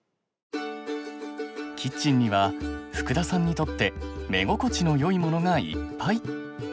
キッチンには福田さんにとって目心地のよいものがいっぱい。